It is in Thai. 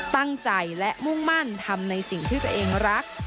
ตั้งใจและมุ่งมั่นทำในสิ่งที่ตัวเองรัก